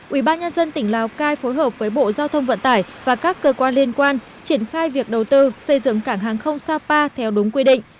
ủy ban nhân dân tỉnh lào cai phối hợp với bộ giao thông vận tải và các cơ quan liên quan triển khai việc đầu tư xây dựng cảng hàng không sapa theo đúng quy định